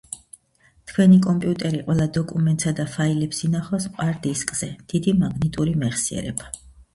თქვენი კომპიუტერი ყველა დოკუმენტსა და ფაილებს ინახავს მყარ დისკზე, დიდი მაგნიტური მეხსიერება